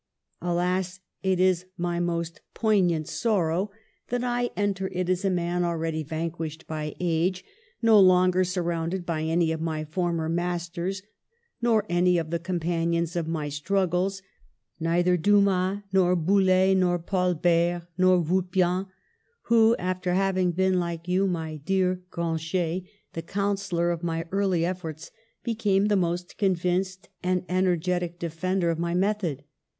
"Alas, it is my most poignant sorrow that I 180 PASTEUR enter it as a man already vanquished by age, no longer surrounded by any of my former mas ters, nor any of the companions of my strug gles, neither Dumas, nor Bouley, nor Paul Bert, nor Vulpian, who, after having been, like you, my dear Grancher, the counsellor of my early efforts, became the most convinced and ener getic defender of my method!